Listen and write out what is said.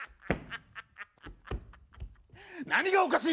何がおかしい！